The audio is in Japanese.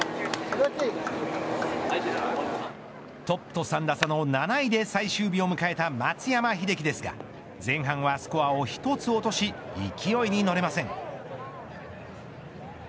トップと３打差の７位で最終日を迎えた松山英樹ですが前半はスコアを１つ落とし勢いに乗れません。